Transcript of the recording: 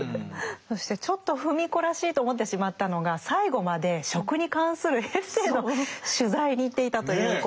そしてちょっと芙美子らしいと思ってしまったのが最後まで食に関するエッセーの取材に行っていたということ。